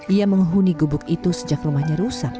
ia menghuni gubuk itu sejak rumahnya rusak